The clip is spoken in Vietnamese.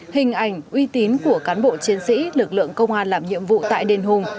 hình ảnh uy tín của cán bộ chiến sĩ lực lượng công an làm nhiệm vụ tại đền hùng